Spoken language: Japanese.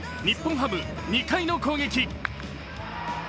日本ハム、２回の攻撃。